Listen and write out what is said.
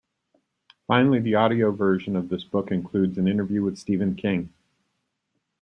Finally, the audio version of this book includes an interview with Stephen King.